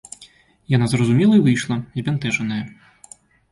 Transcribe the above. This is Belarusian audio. Яна зразумела і выйшла, збянтэжаная.